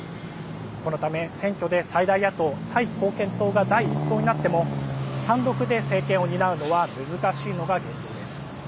このため選挙で最大野党・タイ貢献党が第１党になっても単独で政権を担うのは難しいのが現状です。